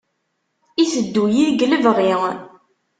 Iteddu-yi deg lebɣi.